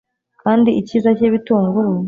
kandi icyiza cy'ibitunguru